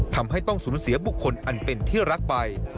ทำให้ต้องสูญเสียบุคคลอันเป็นที่รักไป